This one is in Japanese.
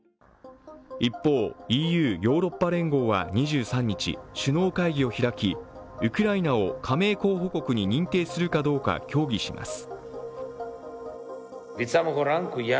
一方、ＥＵ＝ヨーロッパ連合は２３日、首脳会議を開き、ウクライナを加盟候補国に認定するかどうか協議します。